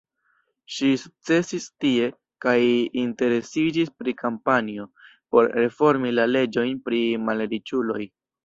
Ŝi sukcesis tie, kaj interesiĝis pri kampanjo por reformi la leĝojn pri malriĉuloj.